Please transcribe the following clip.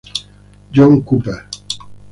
John Cooper